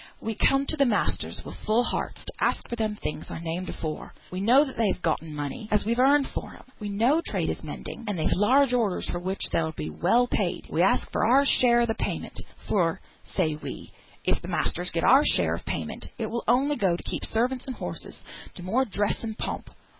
"We come to th' masters wi' full hearts, to ask for them things I named afore. We know that they've gotten money, as we've earned for 'em; we know trade is mending, and that they've large orders, for which they'll be well paid; we ask for our share o' th' payment; for, say we, if th' masters get our share of payment it will only go to keep servants and horses, to more dress and pomp.